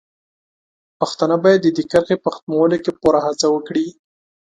پښتانه باید د دې کرښې په ختمولو کې پوره هڅه وکړي.